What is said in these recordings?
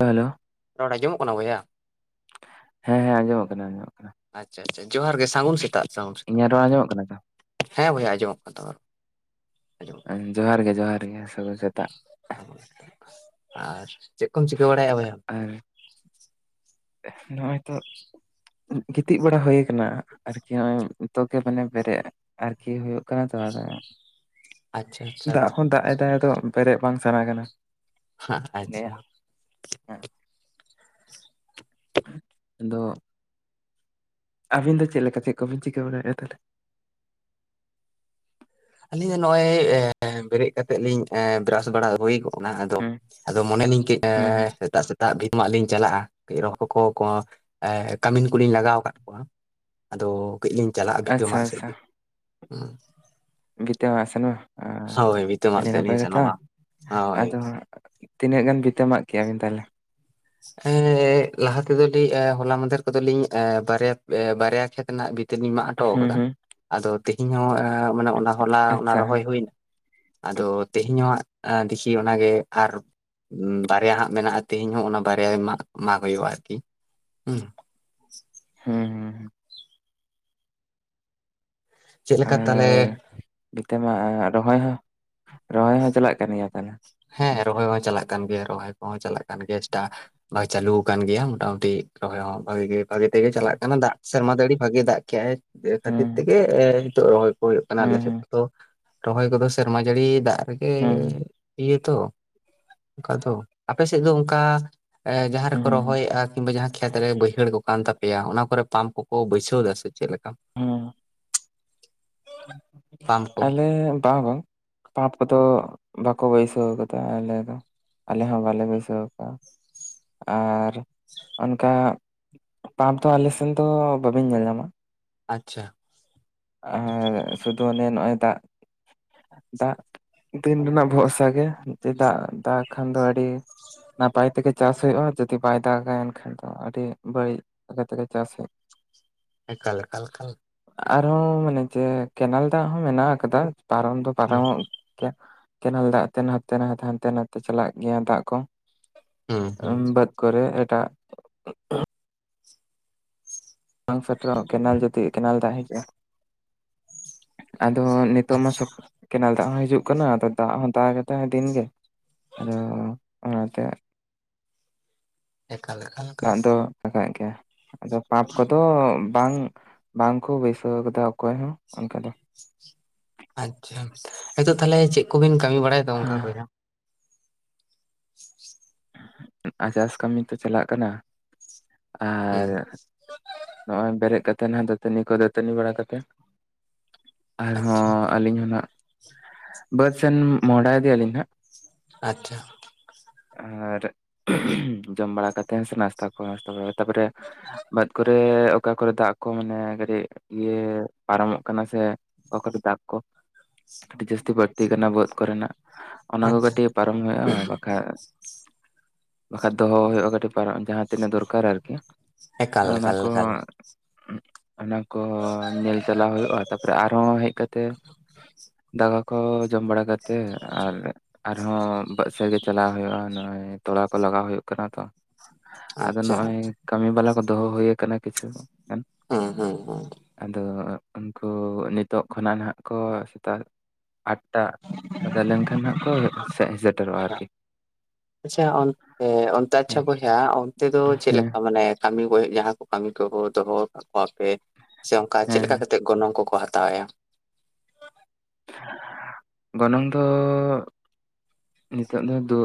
Hello ᱨᱚᱲ ᱟᱡᱚᱢᱚᱜ ᱠᱟᱱᱟ ᱵᱚᱭᱦᱟ᱾ ᱦᱮᱸ ᱦᱮᱸ ᱟᱸᱡᱚᱢᱚᱜ ᱠᱟᱱᱟ ᱟᱸᱡᱚᱢᱚᱜ ᱠᱟᱱᱟ᱾ ᱟᱪᱪᱷᱟ ᱟᱪᱪᱷᱟ ᱡᱚᱦᱟᱨ ᱜᱮ ᱥᱟᱹᱜᱩᱱ ᱥᱮᱛᱟᱜ ᱥᱟᱹᱜᱩᱱ ᱥᱮᱛᱟᱜ ᱤᱧᱟᱹᱜ ᱨᱚᱲ ᱟᱸᱡᱚᱢᱚᱜ ᱠᱟᱱᱟ ᱛᱚ? ᱦᱮᱸ ᱵᱚᱭᱦᱟ ᱟᱸᱡᱚᱢᱚᱜ ᱠᱟᱱ ᱛᱟᱢᱟ᱾ ᱟᱸᱡᱚᱢᱚᱜ ᱡᱚᱦᱟᱨ ᱜᱮ ᱡᱚᱦᱟᱨ ᱜᱮ ᱥᱟᱹᱜᱩᱱ ᱥᱮᱛᱟᱜ᱾ ᱟᱨ ᱪᱮᱫ ᱠᱚᱢ ᱪᱤᱠᱟᱹ ᱵᱟᱲᱟᱭᱮᱼᱟ ᱵᱚᱭᱦᱟ? ᱟᱨ ᱱᱚᱜᱼᱚᱭ ᱛᱚ᱾ ᱜᱤᱛᱤᱡ ᱵᱟᱲᱟ ᱦᱳᱭ ᱠᱟᱱᱟ ᱟᱨᱠᱤ ᱱᱚᱜᱚᱭ ᱱᱤᱛᱚᱜ ᱜᱮ ᱢᱟᱱᱮ ᱵᱮᱨᱮᱫ ᱟᱨᱠᱤ ᱦᱩᱭᱩᱜ ᱠᱟᱱᱟ ᱛᱚ ᱟᱫᱚ ᱟᱪᱪᱷᱟ ᱟᱪᱪᱷᱟ ᱫᱟᱜ ᱟᱪᱪᱷᱟ ᱦᱚᱸ ᱫᱟᱜᱼ ᱮ ᱫᱟᱭ ᱟᱫᱚ ᱵᱮᱨᱮᱫ ᱵᱟᱝ ᱥᱟᱱᱟ ᱠᱟᱱᱟ᱾ ᱦᱟᱜ ᱞᱟᱹᱭᱟ ᱟᱪᱪᱷᱟ᱾ ᱦᱮᱸ, ᱟᱫᱚ ᱟᱹᱵᱤᱱ ᱫᱚ ᱪᱮᱫ ᱞᱮᱠᱟ ᱪᱮᱫ ᱠᱚᱵᱤᱱ ᱪᱤᱠᱟᱹ ᱵᱟᱲᱟᱭᱮᱟ ᱛᱟᱦᱚᱞᱮ? ᱟᱞᱤᱧ ᱫᱚ ᱱᱚᱜᱼᱚᱭ ᱵᱮᱨᱮᱫ ᱠᱟᱛᱮᱫ ᱞᱤᱧ ᱮᱻ ᱵᱮᱨᱟᱥ ᱵᱟᱲᱟ ᱦᱳᱭᱠᱜ ᱚᱱᱟ ᱟᱫᱚ ᱦᱩᱸ ᱟᱫᱚ ᱢᱚᱱᱮᱞᱤᱧ ᱦᱩᱸ ᱦᱩᱸ [unintelligible] ᱥᱮᱛᱟᱜ᱾ ᱫᱟᱜ ᱵᱷᱤᱛ ᱢᱟᱜ ᱞᱤᱧ ᱪᱟᱞᱟᱜᱼᱟ ᱠᱟᱹᱡ ᱨᱦᱚ ᱠᱚ ᱮ ᱠᱟᱹᱢᱤᱱ ᱠᱚᱞᱤᱧ ᱞᱟᱜᱟᱣ ᱟᱠᱟᱫ ᱠᱚᱣᱟ᱾ ᱟᱫᱚ ᱠᱟᱹᱡ ᱞᱤᱧ ᱪᱟᱞᱟᱜᱼᱟ ᱵᱷᱤᱛᱟᱹ ᱟᱪᱪᱷᱟ ᱢᱟ ᱥᱮᱫ ᱜᱮ ᱦᱮᱸ᱾ ᱵᱷᱤᱛᱟᱹ ᱢᱟᱜᱥᱮᱱ ᱵᱟᱝ ᱦᱳᱭ ᱵᱷᱤᱛᱟᱹ ᱢᱟᱜ ᱟᱹᱰᱤ ᱥᱮᱫ ᱞᱤᱧ ᱱᱟᱯᱟᱭ ᱠᱟᱛᱷᱟ ᱥᱮᱱᱚᱜᱼᱟ ᱦᱳᱭ ᱟᱫᱚ ᱛᱤᱱᱟᱹᱜ ᱜᱟᱱ ᱵᱷᱤᱛᱟᱹ‌ ᱢᱟᱜ ᱠᱮᱫᱼᱟ ᱵᱤᱱ ᱛᱟᱦᱚᱞᱮ? ᱮ ᱞᱟᱦᱟ ᱛᱮᱫᱚ ᱞᱤᱧ ᱦᱚᱞᱟ ᱢᱟᱫᱷᱮᱨ ᱠᱚᱫᱚᱞᱤᱧ ᱵᱟᱨᱭᱟ ᱵᱟᱨᱭᱟ ᱠᱷᱮᱛ ᱨᱮᱱᱟᱜ ᱵᱷᱤᱛᱟᱹ ᱛᱟᱹ ᱞᱤᱱ ᱢᱟᱜ ᱦᱚᱴᱚ ᱦᱩᱸ ᱠᱟᱫᱟ ᱦᱩᱸ ᱟᱫᱚ ᱛᱮᱦᱤᱧ ᱦᱚᱸ ᱢᱟᱱᱮ ᱚᱱᱟ ᱦᱚᱞᱟ ᱚᱱᱟ ᱟᱪᱪᱷᱟ ᱦᱮᱸ ᱨᱚᱦᱚᱭ ᱦᱩᱭᱱᱟ᱾ ᱟᱫᱚ ᱛᱮᱦᱮᱧᱦᱚᱦᱟᱜ ᱫᱮᱠᱷᱤ ᱚᱱᱟᱜᱮ ᱟᱨ ᱵᱟᱨᱭᱟ ᱦᱟᱸᱜ ᱢᱮᱱᱟᱜᱼᱟ ᱛᱮᱦᱤᱧ ᱦᱚᱸ ᱚᱱᱟ ᱵᱟᱨᱭᱟ ᱢᱟᱜ ᱢᱟᱜ ᱦᱩᱭᱩᱜᱼᱟ ᱟᱨᱠᱤ ᱦᱩ᱾ ᱦᱩᱸ᱾ ᱦᱩᱸ ᱦᱩᱸ᱾ ᱪᱮᱫ ᱞᱮᱠᱟ ᱛᱟᱞᱮ ᱵᱷᱤᱛᱟᱹᱢᱟᱜᱽ ᱨᱚᱦᱚᱭ ᱦᱚᱸ? ᱨᱚᱦᱚᱭ ᱦᱚᱸ ᱪᱟᱞᱟᱜ ᱠᱟᱱ ᱜᱮᱭᱟ ᱛᱟᱦᱚᱞᱮ ᱦᱮᱸ ᱥᱟᱶᱛᱮ ᱨᱚᱦᱚᱭ ᱦᱚᱸ ᱪᱟᱞᱟᱜ᱾ ᱠᱟᱱ ᱜᱮᱭᱟ ᱨᱚᱦᱚᱭ ᱠᱚᱦᱚᱸ ᱪᱟᱞᱟᱜ ᱠᱟᱱ ᱜᱮᱭᱟ [unintelligible] ᱵᱷᱟᱜᱮ ᱪᱟᱹᱞᱩ ᱟᱠᱟᱱ ᱜᱮᱭᱟ ᱢᱚᱴᱟᱢᱩᱴᱤ ᱨᱚᱦᱚᱭ ᱦᱚᱸ ᱵᱷᱟᱜᱤ ᱜᱮ ᱵᱷᱟᱜᱮ ᱛᱮᱜᱮ ᱪᱟᱞᱟᱜ ᱠᱟᱱᱟ ᱫᱟᱜ ᱥᱮᱨᱢᱟ ᱡᱟᱹᱲᱤ ᱵᱷᱟᱜᱤ ᱫᱟᱜ ᱠᱮᱟᱭ ᱠᱷᱟᱹᱛᱤᱨ ᱦᱩᱸ ᱛᱮᱜᱮ ᱮ ᱱᱤᱛᱚᱜ ᱨᱚᱦᱚᱭ ᱦᱩᱭᱩᱜ ᱠᱟᱱᱟ ᱦᱩᱸ ᱟᱞᱮ ᱥᱮᱫ ᱦᱩᱸ ᱠᱚᱫᱚ ᱨᱚᱦᱚᱭ ᱠᱚᱫᱚ ᱥᱮᱨᱢᱟ ᱡᱟᱹᱲᱤ ᱫᱟᱜ ᱨᱮᱜᱮ ᱦᱩᱸ ᱤᱭᱟᱹ ᱛᱚ ᱚᱱᱠᱟ ᱫᱚ ᱟᱯᱮ ᱥᱮᱫ ᱫᱚ ᱚᱱᱠᱟ ᱮ ᱡᱟᱦᱟᱸ ᱨᱮᱠᱚ ᱦᱩᱸ ᱨᱚᱦᱚᱭᱮᱫᱼᱟ ᱠᱤᱱᱵᱟ ᱡᱟᱦᱟᱸ ᱠᱷᱮᱛ ᱨᱮ ᱵᱟᱹᱭᱦᱟᱹᱲ ᱠᱚ ᱠᱟᱱ ᱛᱟᱯᱮᱭᱟ ᱚᱱᱟ ᱠᱚᱨᱮ ᱯᱟᱢᱯ ᱠᱚᱠᱚ ᱵᱟᱹᱭᱥᱟᱹᱣ ᱫᱟ ᱥᱮ ᱪᱮᱫ ᱞᱮᱠᱟ? ᱦᱩᱸ ᱯᱟᱢᱯ ᱠᱚ ᱟᱞᱮ ᱵᱟᱝ ᱵᱟᱝ᱾ ᱯᱟᱯ ᱠᱚᱫᱚ ᱵᱟᱠᱚ ᱵᱟᱹᱭᱥᱟᱹᱣ ᱠᱟᱫᱟ ᱟᱞᱮ ᱫᱚ ᱟᱞᱮ ᱦᱚᱸ ᱵᱟᱞᱮ ᱵᱟᱹᱭᱥᱟᱹᱣ ᱠᱟᱼᱟ᱾ ᱟᱨ ᱚᱱᱠᱟ ᱯᱟᱯ ᱫᱚ ᱟᱞᱮᱥᱱ ᱫᱚ ᱵᱟᱵᱤᱱ ᱧᱮᱞ ᱧᱟᱢᱟ᱾ ᱟᱪᱪᱷᱟ‍᱾ ᱟᱨ ᱥᱩᱫᱩ ᱚᱱᱮ ᱱᱚᱜᱼᱭ ᱫᱟᱜ᱾ ᱫᱟᱜ ᱫᱤᱱ ᱨᱮᱱᱟᱜ ᱵᱷᱚᱨᱥᱟ ᱜᱮ ᱫᱟᱜ ᱫᱟᱜ ᱠᱷᱟᱱ ᱫᱚ ᱟᱹᱰᱤ ᱱᱟᱯᱟᱭ ᱛᱮᱜᱮ ᱪᱟᱥ ᱦᱩᱭᱩᱜᱼᱟ ᱡᱩᱫᱤ ᱵᱟᱭ ᱫᱟᱜᱟ ᱮᱱᱠᱷᱟᱱ ᱫᱚ ᱟᱹᱰᱤ ᱵᱟᱹᱲᱤᱡ ᱛᱮᱜᱮ ᱪᱟᱥ ᱦᱩᱭᱩᱜᱼᱟ᱾ ᱮᱠᱟᱞ ᱠᱟᱞ ᱠᱟᱞ᱾ ᱦᱩ ᱢᱟᱱᱮ ᱪᱮ ᱠᱮᱱᱮᱞ ᱫᱟᱜ ᱦᱚᱸ ᱢᱮᱱᱟᱜ ᱟᱠᱟᱫᱟ ᱯᱟᱨᱚᱢ ᱫᱚ ᱦᱩᱸ ᱯᱟᱨᱚᱢᱚᱜ ᱠᱮᱱᱮᱞ ᱫᱟᱜ ᱛᱮ ᱱᱟᱛᱮ ᱱᱟᱛᱮ ᱦᱟᱱᱛᱮ ᱱᱟᱛᱮ ᱪᱟᱞᱟᱜ ᱜᱮᱭᱟ ᱫᱟᱜ ᱠᱚ᱾ ᱦᱩᱸ ᱦᱩᱸ ᱵᱟᱫᱽ ᱠᱚᱨᱮ ᱮᱴᱟᱜ ᱵᱟᱝ ᱥᱮᱴᱮᱨᱚᱜᱟ ᱠᱮᱱᱮᱞ ᱡᱩᱫᱤ ᱠᱮᱱᱮᱞ ᱫᱟᱜ ᱦᱤᱡᱩᱼᱟ᱾ ᱟᱫᱚ ᱱᱤᱛᱳ ᱢᱟ ᱟᱪᱪᱷᱟ ᱥᱚ ᱠᱮᱱᱮᱞ ᱫᱟᱜ ᱦᱚᱸ ᱦᱤᱡᱩᱜ ᱠᱟᱱᱟ ᱟᱫᱚ ᱫᱟᱜ ᱦᱚᱸ ᱫᱟᱜ ᱫᱟᱭ ᱫᱤᱱᱜᱮ‍᱾ ᱟᱫᱚ ᱚᱱᱟᱛᱮ ᱮᱠᱟᱞ ᱮᱠᱟᱞ ᱮᱠᱟᱞ ᱫᱟᱜ ᱫᱚ [unintelligible] ᱜᱮᱭᱟ ᱟᱫᱚ ᱯᱟᱯ ᱠᱚᱫᱚ ᱵᱟᱝ ᱵᱟᱝᱠᱚ ᱵᱟᱹᱭᱥᱟᱹᱣ ᱟᱠᱟᱫᱟ ᱚᱠᱚᱭ ᱦᱚᱸ ᱚᱱᱠᱟ ᱫᱚ᱾ ᱟᱪᱪᱷᱟ ᱱᱤᱛᱚᱜ ᱛᱟᱦᱞᱮ ᱪᱮᱫ ᱠᱚᱵᱤᱱ ᱠᱟᱹᱢᱤ ᱵᱟᱲᱟᱭᱮᱫᱚ ᱚᱱᱠᱟ ᱵᱚᱭᱦᱟ? ᱟᱨ ᱪᱟᱥ ᱠᱟᱹᱢᱤ ᱛᱚ ᱪᱟᱞᱟᱜ ᱠᱟᱱᱟ᱾ ᱟᱨ ᱦᱮᱸ ᱱᱚᱜᱼᱚᱭ ᱵᱮᱨᱮᱫ ᱠᱟᱛᱮ ᱱᱟᱦᱟᱜ ᱫᱟᱹᱛᱟᱹᱱᱤ ᱠᱚ ᱫᱟᱹᱛᱟᱹᱱᱤ ᱵᱟᱲᱟ ᱠᱟᱛᱮ ᱟᱪᱪᱷᱟ ᱟᱨᱦᱚᱸ ᱟᱹᱞᱤᱧ ᱦᱚᱸ ᱱᱟᱜ ᱵᱟᱹᱫᱽ ᱥᱮᱱ ᱢᱚᱦᱰᱟ ᱤᱫᱤᱟᱞᱤᱧ ᱦᱟᱸᱜ᱾ ᱟᱪᱪᱷᱟ ᱟᱨ ᱡᱚᱢ ᱵᱟᱲᱟ ᱠᱟᱛᱮᱱ ᱥᱮ ᱱᱟᱥᱛᱟ ᱠᱚ ᱱᱟᱥᱛᱟ ᱵᱟᱲᱟ ᱠᱟᱛᱮ ᱛᱟᱯᱚᱨᱮ ᱵᱟᱹᱫᱽ ᱠᱚᱨᱮ ᱚᱠᱟ ᱠᱚᱨᱮ ᱨᱮ ᱫᱟᱜ ᱠᱚ ᱢᱟᱱᱮ ᱠᱟᱹᱴᱤᱜ ᱤᱭᱟᱹ ᱯᱟᱨᱚᱢᱚᱜ ᱠᱟᱱᱟ ᱥᱮ ᱚᱠᱟ ᱫᱚ ᱫᱟᱜ ᱠᱚ ᱟᱹᱰᱤ ᱡᱟᱹᱥᱛᱤ ᱵᱟᱹᱲᱛᱤ ᱠᱟᱱᱟ ᱵᱟᱹᱫᱽ ᱠᱚᱨᱮᱱᱟᱜ ᱚᱱᱟ ᱠᱚ ᱟᱪᱪᱷᱟ ᱠᱟᱹᱴᱤᱜ ᱯᱟᱨᱚᱢ ᱦᱩᱭᱩᱜᱼᱟ ᱵᱟᱠᱷᱟᱡ ᱵᱟᱠᱷᱟᱡ ᱫᱚᱦᱚ ᱦᱩᱭᱩᱜᱼᱟ ᱠᱟᱹᱴᱤᱡ ᱯᱟᱨᱚ ᱡᱟᱦᱟᱸ ᱛᱤᱱᱟᱹᱜ ᱫᱚᱨᱠᱟᱨ ᱟᱨᱠᱤ ᱟ ᱮᱠᱟᱞ ᱚᱱᱟ ᱮᱠᱟᱞ ᱠᱚ ᱮᱠᱟᱞ ᱚᱱᱟ ᱠᱚ ᱧᱮᱞ ᱪᱟᱞᱟᱣ ᱦᱩᱭᱩᱜᱼᱟ ᱛᱟᱯᱚᱨᱮ ᱟᱨᱦᱚᱸ ᱦᱮᱡ ᱠᱟᱛᱮ ᱫᱟᱠᱟ ᱠᱚ ᱡᱚᱢ ᱵᱟᱲᱟ ᱠᱟᱛᱮ ᱟᱨ ᱟᱨᱦᱚᱸ ᱵᱟᱥᱮ ᱜᱮ ᱪᱟᱞᱟᱣ ᱦᱩᱭᱩᱜᱼᱟ ᱱᱚᱜᱼᱚᱭ ᱛᱚᱞᱟ ᱠᱚ ᱞᱟᱜᱟ ᱦᱩᱭᱩᱜ ᱠᱟᱱᱟ ᱛᱚ ᱟᱫᱚ ᱟᱪᱪᱷᱟ ᱱᱚᱜᱼᱚᱭ ᱠᱟᱹᱢᱤ ᱵᱟᱞᱟ ᱠᱚ ᱫᱚᱦᱚ ᱦᱩᱭᱩᱠ ᱠᱤᱪᱷᱩ᱾ ᱦᱩᱸ ᱦᱩᱸ ᱟᱫᱚ ᱩᱱᱠᱩ ᱱᱤᱛᱚᱜ ᱠᱷᱚᱱᱟᱜ ᱱᱟᱜ ᱠᱚ ᱥᱮᱛᱟᱜ ᱟᱴ ᱴᱟ ᱵᱟᱫᱟ ᱞᱮᱱᱠᱷᱟᱱ ᱦᱟᱸᱜ ᱠᱚ ᱦᱮᱜ ᱥᱮᱼᱥᱮᱴᱮᱨᱚᱜᱼᱟ ᱟᱨᱠᱤ᱾ ᱟᱪᱪᱷᱟ ᱚᱱᱛᱮ ᱚᱱᱛᱮ ᱟᱪᱪᱷᱟ ᱦᱮᱸ ᱵᱚᱭᱦᱟ ᱚᱱᱛᱮ ᱫᱚ ᱦᱮᱸ ᱪᱮᱫᱞᱮᱠᱟ ᱢᱟᱱᱮ ᱠᱟᱹᱢᱤ ᱜᱚᱭᱮᱜ ᱡᱟᱦᱟᱸ ᱠᱚ ᱠᱟᱹᱢᱤ ᱠᱚ ᱵᱚ ᱫᱚᱦᱚ ᱠᱟᱜ ᱠᱚᱣᱟ ᱟᱨᱠᱤ᱾ ᱥᱮ ᱚᱱᱠᱟ ᱦᱮᱸ ᱪᱮᱫᱞᱮᱠᱟ ᱦᱮᱸ ᱠᱟᱛᱮᱜ ᱜᱚᱱᱚᱝ ᱠᱚᱠᱚ ᱦᱟᱛᱟᱣᱮᱭᱟ᱾ ᱜᱚᱱᱚᱝ ᱫᱚ ᱱᱤᱛᱚᱜ ᱫᱚ ᱫᱩ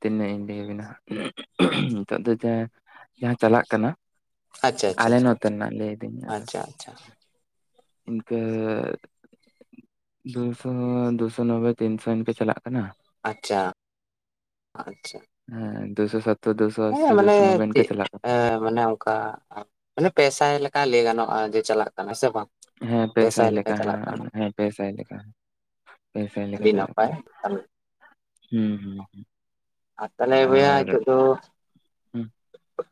ᱛᱤᱱᱟᱹᱜ ᱤᱧ ᱞᱟᱹᱭ ᱭᱟᱵᱤᱱᱟ᱾ ᱱᱤᱛᱚᱜ ᱫᱚ ᱡᱟ ᱡᱟᱦᱟᱸ ᱪᱟᱞᱟᱜ ᱠᱟᱱᱟ᱾ ᱟᱪᱪᱷᱟ ᱟᱪᱪᱷᱟ ᱟᱞᱮ ᱟᱪᱪᱷᱟ ᱱᱚᱛᱮᱱᱟᱜ ᱞᱟᱹᱭ ᱫᱚᱧ ᱟᱫᱚ ᱟᱪᱪᱷᱟ ᱤᱱᱠᱟᱹ ᱫᱩᱥᱚ ᱫᱩᱥᱚ ᱱᱚᱵᱳᱭ ᱛᱤᱱᱥᱚ ᱤᱱᱠᱟᱹ ᱪᱟᱞᱟᱜ ᱠᱟᱱᱟ᱾ ᱟᱪᱪᱷᱟ ᱟᱪᱪᱷᱟ ᱦᱮᱸ ᱫᱩᱥᱚ ᱥᱟᱛ᱾ ᱦᱮᱸ ᱢᱟᱱᱮ ᱪᱮᱫ ᱢᱟᱱᱮ ᱠᱟ ᱢᱟᱱᱮ ᱯᱮᱥᱟᱭ ᱞᱮᱠᱟ ᱞᱟᱹᱭ ᱜᱟᱱᱚᱜᱼᱟ ᱡᱮ ᱪᱟᱞᱟᱜ ᱠᱟᱱᱟ ᱥᱮ ᱵᱟᱝ᱾ ᱦᱮᱸ ᱯᱮ ᱥᱟᱭ ᱞᱮᱠᱟ ᱦᱮᱸ ᱟᱞᱮ ᱦᱮᱸ ᱯᱮ ᱥᱟᱭ ᱞᱮᱠᱟ᱾ ᱯᱮ ᱥᱟᱭ ᱞᱮᱠᱟ ᱟᱹᱰᱤ ᱪᱟᱞᱟᱜ ᱱᱟᱯᱟᱭ᱾ ᱠᱟᱱᱟ ᱦᱩᱸ ᱦᱩᱸ ᱟᱨ ᱛᱟᱦᱞᱮ ᱵᱚᱭᱦᱟ ᱟᱨ ᱱᱤᱛᱚᱜ ᱫᱚ ᱦᱩᱸ,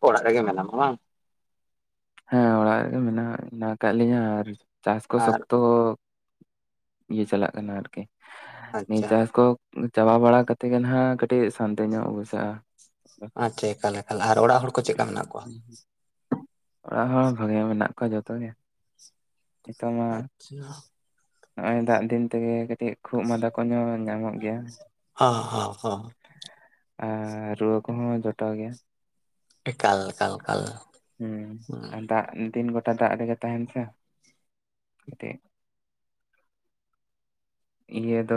ᱚᱲᱟᱜ ᱨᱮᱜᱮ ᱢᱮᱱᱟᱢᱟ ᱵᱟᱝ? ᱦᱮᱸ ᱚᱲᱟᱜ ᱨᱮᱜᱮ ᱢᱮᱱᱟᱜ ᱢᱮᱱᱟᱜ ᱠᱟᱜ ᱞᱤᱧᱟᱹ ᱟᱨ ᱪᱟᱥ ᱠᱚ ᱟᱨ ᱥᱚᱠᱛᱚ ᱤᱭᱟᱹ ᱪᱟᱞᱟᱜ ᱠᱟᱱᱟ ᱟᱨᱠᱤ ᱱᱤᱭᱟᱹ ᱟᱪᱪᱷᱟ ᱪᱟᱥ ᱠᱚ ᱪᱟᱵᱟ ᱵᱟᱲᱟ ᱠᱟᱛᱮ ᱜᱮ ᱱᱟᱦᱟᱜ ᱠᱟᱹᱴᱤᱜ ᱥᱟᱱᱛᱤ ᱧᱚᱜ ᱵᱩᱡᱷᱟᱹᱜᱼᱟ᱾ ᱟᱪᱪᱷᱟ ᱮᱠᱟᱞ ᱮᱠᱟᱞ ᱟᱨ ᱚᱲᱟᱜ ᱦᱚᱲ ᱠᱚ ᱪᱮᱜᱠᱟ ᱢᱮᱱᱟᱜ ᱠᱚᱣᱟ? ᱚᱲᱟᱜ ᱦᱚᱲ ᱵᱷᱟᱜᱮ ᱢᱮᱱᱟᱜ ᱠᱚᱣᱟ ᱡᱷᱚᱛᱚ ᱜᱮ ᱱᱤᱛᱚᱝ ᱢᱟ ᱟᱪᱪᱷᱟ ᱱᱚᱜᱼᱚᱭ ᱫᱟᱜ ᱫᱤᱱ ᱛᱮᱜᱮ ᱠᱟᱹᱴᱤᱡ ᱠᱷᱩᱜ ᱢᱟᱫᱟ ᱠᱚ ᱧᱚ ᱧᱟᱢᱚᱜ ᱜᱮᱭᱟ᱾ ᱦᱚᱸ ᱦᱚᱸ ᱦᱚ ᱾ ᱮᱸᱻ ᱨᱩᱣᱟᱹ ᱠᱚᱦᱚᱸ ᱡᱚᱴᱟᱣ ᱜᱮᱭᱟ ᱾ ᱮᱠᱟᱞ ᱠᱟᱞ ᱠᱟᱞ ᱾ ᱦᱩᱸ ᱟᱨ ᱫᱟᱜ ᱫᱤᱱ ᱜᱚᱴᱟ ᱫᱟᱜ ᱨᱮᱜᱮ ᱛᱟᱦᱮᱱ ᱥᱮ ᱠᱟᱹᱴᱤᱡ ᱾ ᱤᱭᱟᱹ ᱫᱚ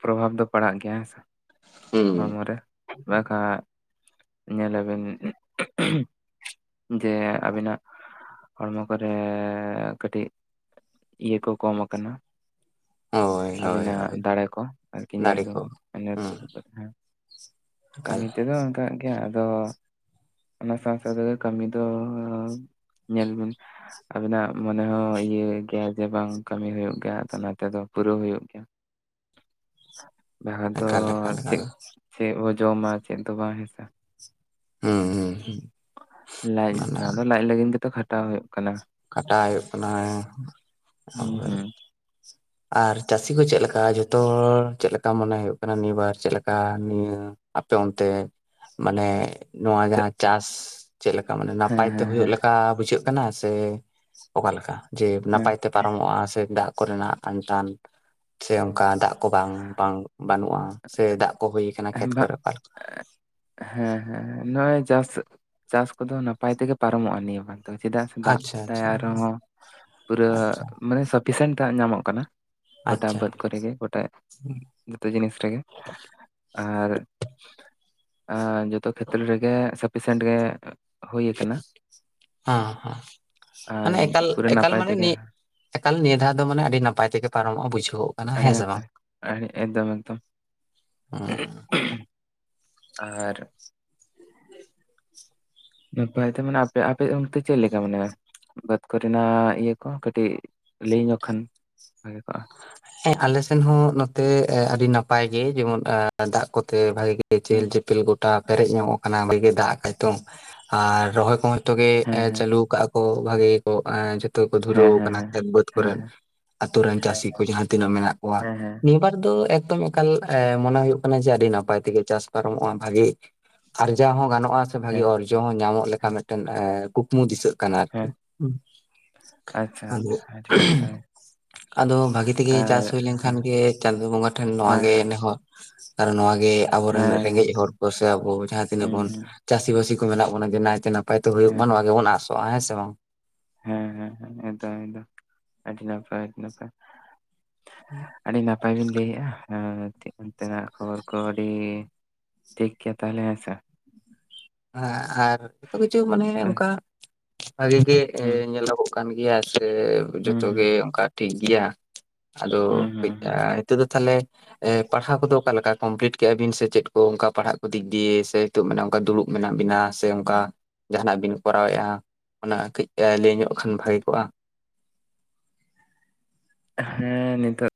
ᱯᱨᱚᱵᱷᱟᱵᱽ ᱫᱚ ᱯᱟᱲᱟᱜ ᱜᱮᱭᱟ ᱦᱮᱸ ᱥᱮ? ᱦᱩᱸ ᱦᱚᱲᱢᱚ ᱨᱮ ᱵᱟᱠᱷᱟᱡ ᱧᱮᱞ ᱮ ᱵᱤᱱ ᱾ ᱡᱮ ᱟᱵᱤᱱᱟᱜ ᱦᱚᱲᱢᱚ ᱠᱚᱨᱮ ᱠᱟᱹᱴᱤᱜ ᱾ ᱤᱭᱟᱹ ᱠᱚ ᱠᱚᱢ ᱠᱟᱱᱟ ᱾ ᱦᱳᱭ ᱦᱳᱭ ᱟᱵᱤᱱᱟᱜ ᱦᱳᱭ ᱫᱟᱲᱮ ᱠᱚ ᱟᱨᱠᱤ ᱧᱮᱞ ᱫᱟᱲᱮ ᱵᱤᱱ [unintelligible] ᱠᱟᱞ ᱾ ᱚᱱᱛᱮ ᱫᱚ ᱚᱱᱠᱟᱜ ᱜᱮ ᱟᱫᱚ ᱚᱱᱟ ᱥᱟᱶ ᱾ ᱛᱚ ᱛᱮ ᱫᱚ ᱠᱟᱹᱢᱤ ᱫᱚ ᱧᱮᱞ ᱵᱤᱱ ᱾ ᱟᱵᱤᱱᱟᱜ ᱢᱚᱱᱮ ᱦᱚᱸ ᱤᱭᱟᱹ ᱜᱮᱭᱟ ᱡᱮ ᱵᱟᱝ ᱠᱟᱹᱢᱤ ᱦᱩᱭᱩᱜ ᱜᱮᱭᱟ ᱛᱟ ᱱᱚᱛᱮ ᱫᱚ ᱯᱩᱨᱟᱹ ᱦᱩᱭᱩᱜ ᱜᱮᱭᱟ ᱾ [inaudible] ᱡᱟᱦᱟ ᱫᱚ ᱮᱠᱟᱞ ᱮᱠᱟᱞ ᱮᱠᱟᱞ ᱪᱮᱫ ᱪᱮᱫ ᱵᱚ ᱡᱚᱢᱟ ᱪᱮᱫ ᱫᱚ ᱵᱟᱝ ᱦᱮᱥᱮ ᱾ ᱦᱩᱸ ᱦᱩᱸ ᱦᱩᱸ ᱾ ᱞᱟᱡ ᱚᱱᱟ ᱫᱚ ᱞᱟᱡ ᱞᱟᱜᱤᱫ ᱜᱮᱛᱚ ᱠᱷᱟᱴᱟᱣ ᱦᱚᱭᱳᱜ ᱾ ᱠᱟᱴᱟ ᱦᱚᱭᱳᱜ ᱠᱟᱱᱟ ᱦᱮᱸ ᱾ ᱦᱩᱸ ᱦᱩᱸ ᱟᱨ ᱪᱟᱹᱥᱤ ᱠᱚ ᱪᱮᱫ ᱞᱮᱠᱟ ᱡᱷᱚᱛᱚ ᱦᱚᱲ ᱪᱮᱫ ᱞᱮᱠᱟ ᱢᱚᱱᱮ ᱦᱚᱭᱳᱜ ᱠᱟᱱᱟ ᱱᱤᱭᱟᱹᱵᱟᱨ ᱪᱮᱫ ᱞᱮᱠᱟ ᱱᱤᱭᱟᱹ ᱾ ᱟᱯᱮ ᱚᱱᱛᱮ ᱢᱟᱱᱮ ᱾ ᱱᱚᱣᱟ ᱪᱮᱫ ᱡᱟᱦᱟᱸ ᱪᱟᱥ ᱪᱮᱫ ᱞᱮᱠᱟ ᱢᱟᱱᱮ ᱦᱮᱸ ᱱᱟᱯᱟᱭ ᱛᱮ ᱦᱮᱸ ᱦᱚᱭᱳ ᱦᱮᱸ ᱞᱮᱠᱟ ᱵᱩᱡᱷᱟᱹᱜ ᱾ ᱠᱟᱱᱟ ᱥᱮ ᱚᱠᱟᱞᱮᱠᱟ ᱡᱮ ᱱᱟᱯᱟᱭ ᱛᱮ ᱯᱟᱨᱚᱢᱚᱜᱼᱟ ᱥᱮ ᱫᱟᱜ ᱠᱚᱨᱮᱱᱟᱜ ᱾ ᱟᱱᱛᱟᱱ ᱪᱮ ᱚᱱᱠᱟ ᱫᱟᱜ ᱠᱚ ᱵᱟᱝ ᱵᱟᱝ ᱾ ᱵᱟᱱᱩᱜᱼᱟ ᱥᱮ ᱫᱟᱜ ᱠᱚ ᱦᱩᱭ ᱟᱠᱟᱱᱟ ᱦᱮᱸ ᱠᱷᱮᱛ ᱵᱟᱝ ᱠᱚᱨᱮ ᱚᱠᱟ ᱾ ᱦᱮᱸ ᱦᱮᱸ ᱱᱚᱜᱼᱚᱭ ᱪᱟᱥ ᱪᱟᱥ ᱠᱚᱫᱚ ᱱᱟᱯᱟᱭ ᱛᱮᱜᱮ ᱯᱟᱨᱚᱢᱚᱜᱼᱟ ᱱᱤᱭᱟᱹ ᱵᱟᱨ ᱾ ᱪᱮᱫᱟᱜ ᱥᱮ ᱫᱟᱜ ᱟᱪᱪᱷᱟ ᱫᱟᱭ ᱟᱪᱪᱷᱟ ᱟᱨᱦᱚᱸ ᱯᱩᱨᱟᱹ ᱟᱪᱪᱷᱟ ᱢᱟᱱᱮ ᱥᱟᱯᱷᱤᱥᱮᱱᱴ ᱫᱟᱜ ᱧᱟᱢᱚᱜ ᱠᱟᱱᱟ ᱾ ᱜᱚᱴᱟ ᱟᱪᱪᱷᱟ ᱵᱟᱹᱫᱽ ᱠᱚᱨᱮ ᱜᱮ ᱜᱚᱴᱟ ᱡᱚᱛᱚ ᱡᱤᱱᱤᱥ ᱨᱮᱜᱮ ᱟᱨ ᱾ ᱟ ᱡᱚᱛᱚ ᱠᱷᱮᱛᱨᱮ ᱨᱮᱜᱮ ᱥᱟᱯᱷᱤᱥᱮᱱᱴ ᱜᱮ ᱦᱩᱭ ᱟᱠᱟᱱᱟ ᱾ ᱦᱟᱸ ᱦᱟᱸ ᱢᱟᱱᱮ ᱮᱠᱟᱞ ᱯᱩᱨᱟᱹ ᱮᱠᱟᱞ ᱱᱟᱯᱟᱭ ᱢᱟᱱᱮ ᱛᱮᱜᱮ ᱱᱤ ᱾ ᱮᱠᱟᱞ ᱱᱤᱭᱟᱹ ᱫᱷᱟᱣ ᱫᱚ ᱢᱟᱱᱮ ᱟᱹᱰᱤ ᱱᱟᱯᱟᱭ ᱛᱮᱜᱮ ᱯᱟᱨᱚᱢᱚᱜᱼᱟ ᱵᱩᱡᱷᱟᱹᱣᱚᱜ ᱠᱟᱱᱟ ᱦᱮᱸ ᱥᱮ ᱵᱟᱝ ᱾ ᱟᱨᱤ ᱮᱠᱫᱚᱢ ᱮᱠᱫᱚᱢ ᱾ [unintelligible] ᱟᱨ ᱾ ᱱᱟᱯᱟᱭ ᱛᱮ ᱢᱟᱱᱮ ᱟᱯᱮ ᱟᱯᱮ ᱚᱱᱛᱮ ᱪᱮᱫ ᱞᱮᱠᱟ ᱢᱟᱱᱮ ᱾ ᱵᱟᱹᱫᱽ ᱠᱚᱨᱮᱱᱟᱜ ᱤᱭᱟᱹ ᱠᱚ ᱦᱚᱸ ᱠᱟᱹᱴᱤᱡ ᱞᱟᱹᱭ ᱧᱚᱜ ᱠᱷᱟᱱ ᱵᱷᱟᱜᱮ ᱠᱚᱜᱼᱟ ᱾ ᱦᱮᱸ ᱟᱞᱮ ᱥᱮᱱ ᱦᱚᱸ ᱱᱚᱛᱮ ᱟᱹᱰᱤ ᱱᱟᱯᱟᱭ ᱜᱮ ᱡᱮᱢᱚᱱ ᱫᱟᱜ ᱠᱚᱛᱮ ᱵᱷᱟᱜᱤ ᱜᱮ ᱾ ᱦᱮᱸ ᱪᱮᱦᱮᱞ ᱪᱮᱯᱮᱞ ᱜᱚᱴᱟ ᱯᱮᱨᱮᱡ ᱧᱚᱜᱚᱜ ᱠᱟᱱᱟ ᱵᱷᱟᱜᱮ ᱫᱟᱜ ᱠᱟᱜ ᱛᱚ ᱟᱨ ᱨᱚᱦᱚᱭ ᱠᱚᱦᱚᱸ ᱾ ᱡᱚᱛᱚ ᱜᱮ ᱮ ᱦᱮᱸ ᱦᱮᱸ ᱪᱟᱹᱞᱩ ᱠᱟᱜᱼᱟ ᱠᱚ ᱵᱷᱟᱜᱮ ᱜᱮ ᱠᱚ ᱮᱸ ᱡᱚᱛ ᱾ ᱛᱚ ᱜᱮ ᱠᱚ ᱦᱮᱸ ᱫᱷᱩᱨᱟᱹᱣ ᱦᱮᱸ ᱟᱠᱟᱱᱟ ᱦᱮᱸ ᱠᱷᱮᱛ ᱵᱟᱹᱫᱽ ᱦᱮᱸ ᱠᱚᱨᱮᱱ ᱦᱮᱸ ᱟᱛᱳ ᱨᱮᱱ ᱦᱮᱸ ᱪᱟᱥᱤ ᱠᱚ ᱡᱟᱦᱟᱸ ᱾ ᱛᱤᱱᱟᱹᱜ ᱢᱮᱱᱟᱜ ᱠᱚᱣᱟ ᱦᱮᱸ ᱦᱮᱸ ᱱᱤᱭᱟᱹᱵᱟᱨ ᱫᱚ ᱮᱠᱫᱚᱢ ᱾ ᱮᱠᱟᱞ ᱮ ᱢᱚᱱᱮ ᱦᱚᱭᱳᱜ ᱠᱟᱱᱟ ᱡᱮ ᱟᱹᱰᱤ ᱱᱟᱯᱟᱭ ᱛᱮᱜᱮ ᱪᱟᱥ ᱯᱟᱨᱚᱢᱚᱜᱼᱟ ᱵᱷᱟᱜᱮ ᱟᱨᱡᱟᱣ ᱦᱚᱸ ᱜᱟᱱᱚᱜ ᱾ ᱱᱚᱣᱟ ᱥᱮ ᱵᱷᱟᱹᱜᱮ ᱦᱮᱸ ᱚᱨᱡᱚ ᱦᱚᱸ ᱧᱟᱢᱚᱜ ᱞᱮᱠᱟ ᱦᱮᱸ ᱢᱮᱫᱴᱮᱱ ᱠᱩᱠᱢᱩ ᱫᱤᱥᱟᱹᱜ ᱠᱟᱱᱟ ᱟᱨᱠᱤ ᱦᱮᱸ ᱾ ᱟᱪᱪᱷᱟ ᱟᱫᱚ ᱟᱪᱪᱷᱟ ᱟᱹᱰᱤ ᱱᱟᱯᱟᱭ ᱟᱫᱚ ᱵᱷᱟᱜᱮ ᱾ ᱜᱮ ᱟᱨ ᱪᱟᱥ ᱦᱩᱭ ᱞᱮᱱᱠᱷᱟᱱ ᱦᱮᱸ ᱜᱮ ᱪᱟᱸᱫᱳ ᱵᱚᱸᱜᱟ ᱴᱷᱮᱱ ᱱᱚᱣᱟ ᱦᱮᱸ ᱦᱮᱸ ᱜᱮ ᱱᱮᱦᱚᱨ ᱟᱨ ᱱᱚᱣᱟ ᱜᱮ ᱾ ᱟᱵᱚᱨᱮᱱ ᱦᱮᱸ ᱨᱮᱸᱜᱮᱡ ᱦᱚᱲ ᱮᱠᱫᱚᱢ ᱠᱚ ᱥᱮ ᱟᱵᱚ ᱡᱟᱦᱟᱸ ᱛᱤᱱᱟᱹᱜ ᱦᱩᱸ ᱵᱚᱱ ᱦᱩᱸ ᱪᱟᱹᱥᱤ ᱵᱟᱹᱥᱤ ᱠᱚ ᱢᱮᱱᱟᱜ ᱵᱚᱱᱟᱮ ᱱᱟᱭᱛᱮ ᱱᱟᱜ ᱟ ᱾ ᱯᱟᱭ ᱛᱮ ᱦᱳᱭᱳᱜ ᱦᱮᱸ ᱢᱟ ᱦᱮᱸ ᱱᱚᱣᱟ ᱜᱮᱵᱚᱱ ᱟᱥᱚᱜ-ᱟ᱾ ᱦᱮᱸ ᱥᱮ ᱵᱟᱝ? ᱦᱮᱸ ᱦᱮᱸ ᱦᱮᱸ ᱮᱠ ᱫᱚᱢ ᱮᱠ ᱫᱚᱢ ᱟᱹᱰᱤ ᱱᱟᱯᱟᱭ ᱟᱹᱰᱤ ᱱᱟᱯᱟᱭ᱾ [unintelligible] ᱟᱹᱰᱤ ᱱᱟᱯᱟᱭ ᱵᱤᱱ ᱞᱟᱹᱭᱮᱜ-ᱟ ᱮᱸ ᱛᱷᱮᱜ ᱚᱱᱛᱮᱱᱟᱜ ᱠᱷᱚᱵᱚᱨ ᱠᱚ ᱤ ᱴᱷᱤᱠ ᱜᱮᱭᱟ ᱛᱟᱦᱚᱞᱮ ᱦᱮᱸ ᱥᱮ? ᱦᱟᱸ ᱟᱨ ᱡᱚᱛᱚ ᱠᱤᱪᱷᱩ ᱢᱟᱱᱮ ᱦᱩᱸ ᱚᱝᱠᱟ ᱵᱷᱟᱜᱮ ᱜᱮ ᱮ ᱦᱩᱸ ᱧᱮᱞᱚᱜᱚᱜ ᱠᱟᱱ ᱜᱮᱭᱟ ᱥᱮ ᱦᱩᱸ ᱡᱚᱛᱚ ᱜᱮ ᱚᱱᱠᱟ ᱴᱷᱤᱠ ᱜᱮᱭᱟ, ᱟᱫᱚ ᱦᱩᱸ ᱠᱟᱹᱡ ᱦᱩᱸ ᱟ ᱦᱩᱸ ᱱᱤᱛᱚᱜ ᱫᱚ ᱛᱟᱞᱦᱮ ᱮ ᱯᱟᱲᱦᱟᱣ ᱠᱚᱫᱚ ᱚᱠᱟ ᱞᱮᱠᱟ ᱠᱚᱢᱯᱞᱤᱴ ᱠᱮᱫᱮᱜ-ᱟ ᱵᱤᱱ ᱥᱮ ᱪᱮᱫ ᱠᱚ ᱚᱝᱠᱟ ᱯᱟᱲᱦᱟᱜ ᱠᱚ ᱫᱤᱠ ᱫᱤᱭᱮ ᱥᱮ ᱦᱤᱛᱚ ᱢᱟᱱᱮ ᱚᱱᱠᱟ ᱫᱩᱲᱩᱵ ᱢᱮᱱᱟᱜ ᱵᱤᱱᱟ ᱥᱮ ᱚᱱᱠᱟ ᱡᱟᱦᱱᱟᱜ ᱵᱤᱱ ᱠᱚᱨᱟᱣᱮᱜ-ᱟ? ᱚᱱᱟ ᱠᱟᱹᱡ ᱮ ᱞᱟᱹᱭ ᱧᱚᱜ ᱠᱷᱟᱱ ᱵᱷᱟᱜᱮ ᱠᱚᱜ-ᱟ᱾ ᱦᱮᱸ ᱱᱤᱛᱳᱜ᱾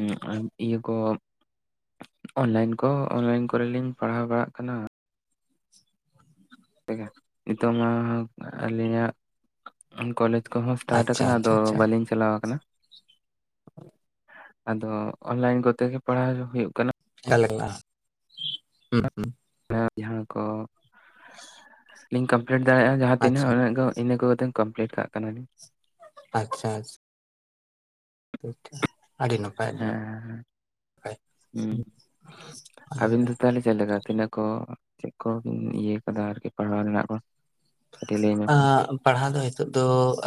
ᱩᱸ [unintelligible] ᱤᱭᱟᱹ ᱠᱚ ᱚᱱᱞᱟᱭᱤᱱ ᱠᱚ ᱚᱱᱞᱟᱭᱤᱱ ᱠᱚᱨᱮᱞᱤᱧ ᱯᱟᱲᱦᱟᱣ ᱵᱟᱲᱟᱜ ᱠᱟᱱᱟ᱾ ᱞᱮᱠᱟ ᱱᱤᱛᱚᱜ ᱢᱟ [unintelligible] ᱟᱞᱤᱧᱟᱜ ᱠᱚᱞᱮᱡᱪ ᱠᱚᱦᱚᱸ ᱮᱥᱴᱟᱴ ᱟᱪᱪᱷᱟ ᱟᱠᱟᱱᱟ ᱟᱫᱚ ᱟᱪᱪᱷᱟ ᱟᱪᱪᱷᱟ ᱵᱟᱞᱤᱧᱪ ᱪᱟᱞᱟᱣ ᱟᱠᱟᱱᱟ᱾ ᱟᱫᱚ ᱚᱱᱞᱟᱭᱤᱱ ᱠᱚᱛᱮ ᱜᱮ ᱯᱟᱲᱦᱟᱣ [unintelligible] ᱦᱩᱭᱩᱜ ᱠᱟᱱᱟ᱾ [unintelligible] ᱦᱩ ᱦᱩ᱾ [unintelligible] ᱡᱟᱸᱦᱟ ᱠᱚ᱾ ᱤᱧ ᱠᱚᱢᱯᱞᱤᱴ ᱫᱟᱲᱮᱭᱟᱜ-ᱟ ᱡᱟᱦᱟᱸ ᱟᱪᱪᱷᱟ ᱛᱤᱱᱟᱹᱜ ᱩᱱᱟᱹᱜ ᱜᱮ ᱤᱱᱟᱹᱜ ᱠᱚᱜᱮ ᱮᱤᱧ ᱠᱚᱢᱯᱞᱤᱴ ᱠᱟᱜ ᱠᱟᱱᱤᱞᱤᱧ᱾ ᱟᱪᱪᱷᱟ ᱟᱸᱪ [unintelligible] ᱟᱹᱰᱤ ᱱᱟᱯ ᱦᱮᱸ [unintelligible] ᱦᱮᱸ ᱦᱩᱸ ᱟᱹᱰᱤ ᱟᱹᱵᱤᱱ ᱫᱚ [unintelligible] ᱛᱟᱦᱚᱞᱮ ᱪᱮᱫ ᱞᱮᱠᱟ ᱛᱤᱱᱟᱹᱜ ᱠᱚ ᱪᱮᱫ ᱠᱚ ᱤᱭᱟᱹ ᱠᱟᱫᱟ ᱟᱨᱠᱤ ᱯᱟᱲᱦᱟᱣ ᱨᱮᱱᱟᱜ ᱠᱚ᱾ ᱠᱟᱹᱴᱤᱡ ᱞᱟᱹᱭ ᱧᱚᱜ ᱠᱷᱟᱱ ᱟᱸᱜ ᱯᱟᱲᱦᱟᱣ ᱫᱚ ᱦᱤᱛᱳᱜ ᱫᱚ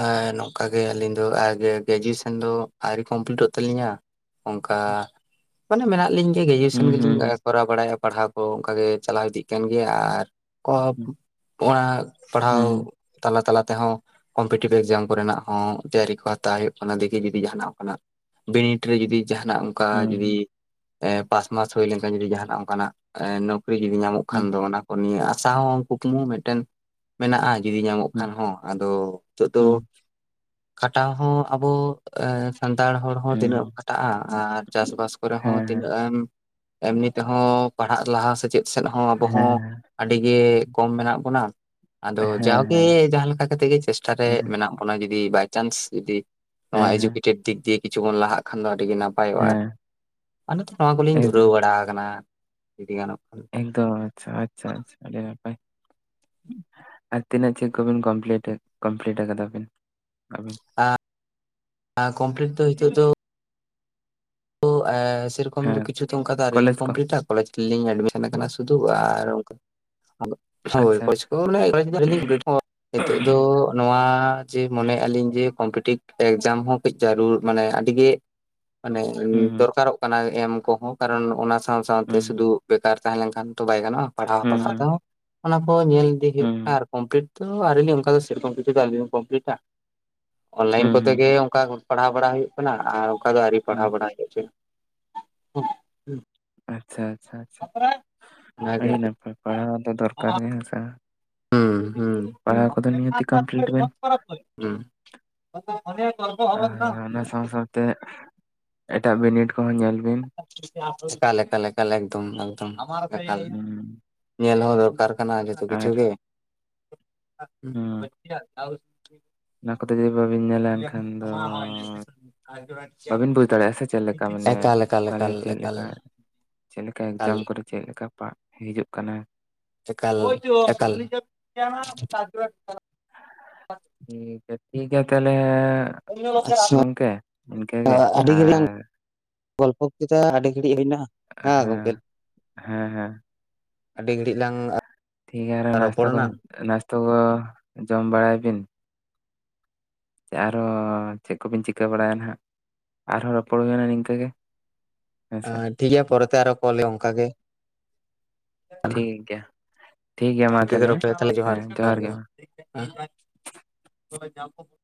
ᱮ ᱱᱚᱝᱠᱟ ᱜᱮ ᱟᱹᱞᱤᱧ ᱫᱚ ᱟ ᱜᱮ ᱜᱮᱡᱩᱭᱮᱥᱮᱱ ᱫᱚ ᱟᱭᱨᱤ ᱠᱚᱢᱯᱞᱤᱴᱚᱜ ᱛᱟᱹᱞᱤᱧᱟ ᱚᱱᱠᱟ ᱢᱟᱱᱮ ᱢᱮᱱᱟᱜ ᱞᱤᱧ ᱜᱮ ᱦᱩᱸ ᱜᱮᱡᱩᱭᱮᱥᱮᱱ ᱜᱮᱞᱤᱧ ᱮᱸ ᱦᱩᱸ ᱠᱚᱨᱟᱣ ᱵᱟᱲᱟᱭ-ᱟ ᱯᱟᱲᱦᱟᱣ ᱠᱚ ᱚᱱᱠᱟ ᱜᱮ ᱪᱟᱞᱟᱣ ᱤᱫᱤᱜ ᱠᱟᱱ ᱜᱮᱭᱟ ᱟᱨ ᱠᱚ ᱦᱩᱸ [unintelligible] ᱯᱟᱲᱦᱟᱣ ᱦᱩᱸ ᱛᱟᱞᱟ ᱛᱟᱞᱟ ᱛᱮᱦᱚᱸ ᱠᱚᱢᱯᱮᱴᱤᱵ ᱮᱠᱡᱟᱢ ᱠᱚᱨᱮᱱᱟᱜ ᱦᱚᱸ ᱛᱮᱭᱟᱨᱤ ᱠᱚ ᱦᱟᱛᱟᱣ ᱦᱩᱭᱩᱜ ᱠᱟᱱᱟ ᱫᱮᱠᱷᱤ ᱡᱩᱫᱤ ᱡᱟᱦᱟᱱᱟᱜ ᱚᱱᱠᱟᱱᱟᱜ ᱵᱤᱱᱤᱴ ᱨᱮ ᱡᱩᱫᱤ ᱡᱟᱦᱟᱱᱟᱜ ᱚᱝ ᱠᱟ ᱦᱩᱸ ᱡᱩᱫᱤ ᱦᱩᱸ ᱮ ᱯᱟᱥ ᱢᱟᱥ ᱦᱳᱭ ᱞᱮᱱᱠᱷᱟᱱ ᱡᱩᱫᱤ ᱡᱟᱦᱟᱱᱟᱜ ᱚᱱᱠᱟᱱᱟᱜ ᱮ ᱱᱚᱠᱨᱤ ᱡᱩᱫᱤ ᱧᱟᱢᱚᱜ ᱦᱩᱸ ᱠᱷᱟᱱ ᱦᱩᱸ ᱫᱚ ᱚᱱᱟ ᱠᱚ ᱱᱤᱭᱟᱹ ᱟᱥᱟ ᱦᱚᱸ ᱠᱩᱠᱢᱩ ᱢᱮᱫᱴᱮᱱ ᱢᱮᱱᱟᱜ-ᱟ ᱡᱩᱫᱤ ᱧᱟᱢᱚᱜ ᱦᱩᱸ ᱦᱩᱸ ᱠᱷᱟᱱ ᱦᱚᱸ ᱟᱫᱚ ᱛᱳᱜ ᱫᱚ ᱦᱩᱸ ᱠᱷᱟᱴᱟᱣ ᱦᱚᱸ ᱟᱵᱚ ᱮᱸ ᱥᱟᱱᱛᱟᱲ ᱦᱚᱲ ᱦᱚᱸ ᱛᱤᱱᱟᱹᱜ ᱦᱩᱸ ᱠᱷᱴᱟᱜ-ᱟ ᱟᱨ ᱪᱟᱥ ᱵᱟᱥ ᱠᱚᱨᱮ ᱦᱚᱸ ᱦᱮᱸ ᱛᱤᱱᱟᱹᱜ ᱮᱢ ᱮᱢᱱᱤ ᱛᱮᱦᱚᱸ ᱯᱟᱲᱦᱟᱜ ᱞᱟᱦᱟ ᱥᱮ ᱪᱮᱫ ᱥᱮᱫ ᱦᱚᱸ ᱟᱵᱚ ᱦᱚᱸ ᱦᱮᱸ ᱟᱹᱰᱤ ᱜᱮ ᱠᱚᱢ ᱢᱮᱱᱟᱜ ᱵᱚᱱᱟ᱾ ᱟᱫᱚ ᱦᱮᱸ ᱦᱮᱸ ᱡᱟᱣᱜᱮ ᱡᱟᱸᱦᱟ ᱞᱮᱠᱟ ᱠᱟᱛᱮᱜ ᱜᱮ ᱪᱮᱥᱴᱟ ᱨᱮ ᱦᱮᱸ ᱢᱮᱱᱟᱜ ᱵᱚᱱᱟ ᱡᱩᱫᱤ ᱵᱟᱭᱪᱟᱱᱥ ᱡᱩᱫᱤ ᱱᱚᱣᱟ ᱦᱮᱸ ᱦᱮᱸ ᱮᱹᱡᱩᱠᱮᱴᱮᱰ ᱫᱤᱠ ᱫᱤᱭᱮ ᱠᱤᱪᱷᱩ ᱵᱚᱱ ᱞᱟᱦᱟᱜ ᱠᱷᱟᱱ ᱫᱚ ᱟᱹᱰᱤᱜᱮ ᱱᱟᱯᱟᱭᱚᱜ-ᱟ ᱟᱨ ᱦᱮᱸ ᱚᱱᱟᱛᱮ ᱱᱚᱣᱟ ᱠᱚᱞᱤᱧ ᱫᱷᱩᱨᱟᱹᱣ ᱮᱠᱫᱚᱢ ᱵᱟᱲᱟ ᱟᱠᱟᱱᱟ ᱡᱩᱫᱤ ᱜᱟᱱᱚᱜ ᱠᱷᱟᱱ᱾ ᱮᱠᱫᱚ ᱟᱪᱪᱷᱟ ᱟᱪᱪᱷᱟ ᱟᱪᱪᱷᱟ ᱟᱹᱰᱤ ᱱᱟᱯᱟᱭ᱾ ᱟᱨ ᱛᱤᱱᱟᱹᱜ ᱪᱮᱫ ᱠᱚᱵᱤᱱ ᱠᱚᱢᱯᱞᱤᱴ ᱠᱚᱢᱯᱞᱤᱴ ᱟᱠᱟᱫᱟ ᱵᱮᱱ ᱟᱵᱤᱱ? ᱟ ᱠᱚᱢᱯᱞᱤᱴ ᱫᱚ ᱦᱤᱛᱚᱜ ᱫᱚ ᱳ ᱮ ᱥᱮᱹᱨᱚᱠᱚᱢ ᱫᱚ ᱦᱮᱸ ᱠᱤᱪᱷᱩ ᱫᱚ ᱚᱱᱠᱟ ᱫᱚ ᱟᱣᱨᱤ ᱞᱤᱧ ᱠᱚᱞᱮᱡᱽ ᱠᱚ ᱠᱚᱢᱯᱞᱤᱴᱟ ᱠᱚᱞᱮᱡ ᱞᱤᱧ ᱮᱰᱢᱤᱥᱮᱱ ᱟᱠᱟᱱᱟ ᱥᱩᱫᱩ ᱟᱨ ᱚᱱᱠᱟ ᱟᱫᱚ ᱦᱳᱭ ᱟᱪᱪᱷᱟ ᱟᱪᱪᱷᱟ [unintelligible] ᱱᱤᱛᱚᱜ ᱫᱚ ᱱᱚᱣᱟ ᱡᱮ ᱢᱚᱱᱮ ᱞᱤᱧ ᱡᱮ ᱠᱚᱢᱯᱤᱴᱤᱵᱷ ᱮᱠᱡᱟᱢ ᱦᱚᱸ᱾ ᱢᱤᱴᱮᱡ ᱪᱟᱨᱩ ᱢᱟᱱᱮ ᱟᱹᱰᱤ ᱜᱮ᱾ ᱢᱟᱱᱮ ᱦᱩᱸ ᱦᱩᱸ ᱫᱚᱨᱠᱟᱨᱚᱜ ᱠᱟᱱᱟ ᱮᱢ ᱠᱚᱦᱚᱸ ᱠᱟᱨᱚᱱ ᱚᱱᱟ ᱥᱟᱶ ᱥᱟᱶᱛᱮ ᱦᱩᱸ ᱥᱩᱫᱩ᱾ ᱵᱮᱠᱟᱨ ᱛᱟᱦᱮᱸ ᱞᱮᱱᱠᱷᱟᱱ ᱛᱚ ᱵᱟᱭ ᱜᱟᱱᱚᱜᱼᱟ ᱯᱟᱲᱦᱟᱣ ᱯᱟᱲᱦᱟᱣ ᱦᱩᱸ ᱛᱮᱦᱚᱸᱼᱼᱼ ᱚᱱᱟ ᱠᱚ ᱧᱮᱞ ᱤᱫᱤ ᱦᱩᱭᱩᱜ ᱠᱟᱱᱟ ᱦᱩᱸ ᱟᱨ ᱠᱚᱢᱯᱞᱤᱴ ᱫᱚ ᱟᱭᱨᱤᱞᱤᱧ ᱚᱱᱠᱟ ᱫᱚ ᱥᱮᱨᱚᱠᱚᱢ ᱠᱤᱪᱷᱩ ᱫᱚ ᱟᱭᱨᱤᱞᱤᱧ ᱠᱚᱢᱯᱞᱤᱴᱟ᱾ ᱚᱱᱞᱟᱭᱤᱱ ᱠᱚᱛᱮ ᱜᱮ ᱦᱩᱸ ᱚᱱᱠᱟ ᱯᱟᱲᱦᱟᱣ ᱵᱟᱲᱟ ᱦᱩᱭᱩᱜ ᱠᱟᱱᱟ ᱟᱨ ᱚᱱᱠᱟ ᱫᱚ ᱟᱹᱣᱨᱤ ᱯᱟᱲᱦᱟᱣ ᱦᱩᱸ ᱵᱟᱲᱟ ᱦᱩᱭᱩᱜᱼᱟ᱾ [unintelligible] ᱟᱪᱪᱷᱟ ᱟᱪᱪᱷᱟ ᱟᱪᱪᱷᱟ ᱚᱱᱟᱜᱮ ᱟᱹᱰᱤ ᱱᱟᱯᱟᱭ ᱯᱟᱲᱦᱟᱣ ᱫᱚ ᱫᱚᱨᱠᱟᱨ ᱜᱮ ᱦᱮᱸ ᱥᱮ᱾ ᱦᱩᱸ ᱦᱩᱸ ᱦᱩᱸ ᱯᱟᱲᱦᱟᱣ ᱠᱚᱫᱚ ᱱᱤᱦᱟᱹᱛᱤ ᱠᱚᱢᱯᱞᱤᱴ ᱵᱮᱱ ᱜᱚᱞᱯᱚ ᱦᱚᱵᱮᱠ ᱱᱚ᱾ ᱛᱮᱫ ᱮᱴᱟᱜ ᱵᱤᱱᱤᱰ ᱠᱚᱦᱚᱸ ᱧᱮᱞ ᱵᱤᱱ᱾ ᱞᱮᱠᱟᱞ ᱞᱮᱠᱟᱞ ᱮᱠᱫᱚᱢᱫ ᱦᱩᱸ ᱧᱮᱞ ᱦᱚᱸ ᱫᱚᱨᱠᱟᱨ᱾ ᱠᱟᱱᱟ ᱡᱚᱛᱚ ᱠᱤᱪᱷᱩ ᱟᱨ ᱜᱮ᱾ ᱦᱩᱸ ᱚᱱᱟ ᱠᱚᱛᱮ ᱡᱩᱫᱤ ᱵᱟᱵᱤᱱ ᱧᱮᱞᱟ ᱮᱱᱠᱷᱟᱱ ᱫᱚ ᱵᱟᱵᱤᱱ ᱵᱩᱡᱽ ᱫᱟᱲᱮᱭᱟᱜᱼᱟ ᱥᱮ᱾ ᱪᱮᱫ ᱞᱮᱠᱟ ᱢᱟᱱᱮ ᱮᱠᱟᱞ ᱮᱠᱟᱞ ᱚᱠᱟ᱾ ᱮᱠᱟᱞ ᱪᱮᱫ ᱮᱠᱟᱞ ᱞᱮᱠᱟ ᱪᱮᱫ ᱞᱮᱠᱟ ᱮᱠᱟᱞ ᱮᱠᱡᱟᱢ ᱠᱚᱨᱮ ᱪᱮᱫ ᱞᱮᱠᱟ ᱯᱟ ᱦᱤᱡᱩᱜ ᱠᱟᱱᱟ᱾ ᱮᱠᱟᱞ ᱮᱠᱟᱞ᱾ ᱴᱷᱤᱠ ᱜᱮᱭᱟ ᱛᱟᱦᱚᱞᱮ ᱟᱪᱪᱷᱟ ᱜᱚᱝᱠᱮ ᱤᱱᱠᱟᱹ ᱜᱮ ᱟᱹᱰᱤ ᱜᱷᱟᱹᱲᱤᱡ ᱞᱟᱝ ᱟᱨ᱾ ᱜᱚᱞᱯᱚ ᱠᱮᱫᱟ ᱟᱹᱰᱤ ᱜᱷᱟᱹᱲᱤᱡ ᱦᱩᱭᱱᱟ᱾ ᱦᱮᱸ ᱦᱮᱸ ᱦᱮᱸ ᱟᱹᱰᱤ ᱜᱷᱟᱹᱲᱤᱡ ᱞᱟᱝ ᱴᱷᱤᱠ ᱜᱮᱭᱟ ᱟᱨᱚ ᱱᱟᱥᱛᱟ ᱨᱚᱯᱚᱲ ᱠᱚ᱾ ᱮᱱᱟ ᱱᱟᱥᱛᱚ ᱠᱚ ᱡᱚᱢ ᱵᱟᱲᱟᱭ ᱵᱤᱱ᱾ ᱟᱨᱚ ᱪᱮᱫ ᱠᱚᱵᱤᱱ ᱪᱤᱠᱟᱹ ᱵᱟᱲᱟᱭᱟ ᱱᱟᱦᱟᱜ᱾ ᱟᱨᱦᱚᱸ ᱨᱚᱯᱚᱲ ᱦᱩᱭᱱᱟ ᱱᱤᱝᱠᱟᱹ ᱜᱮ᱾ ᱦᱮᱸᱥᱮ ᱴᱷᱤᱠ ᱜᱮᱭᱟ ᱯᱚᱨᱮᱛᱮ ᱟᱨᱚ ᱠᱚᱞ ᱦᱩᱭᱩᱼᱟ ᱚᱱᱠᱟ ᱜᱮ᱾ [unintelligible] ᱴᱷᱤᱠ ᱜᱮᱭᱟ ᱡᱚᱦᱟᱨ ᱴᱷᱤᱠ ᱜᱮᱭᱟ ᱢᱟ ᱛᱟᱦᱚᱞᱮ ᱜᱮ ᱡᱚᱦᱟᱨ ᱜᱮ ᱢᱟ᱾ [unintelligible]